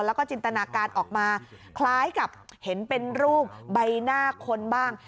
แล้วก็จินตนาการออกมาคล้ายกับเห็นเป็นรูปใบหน้าคนบ้าง